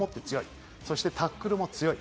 そしてタックルも強い。